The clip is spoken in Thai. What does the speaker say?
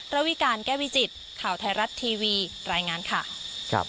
ระวิการแก้วิจิตข่าวไทยรัฐทีวีรายงานค่ะ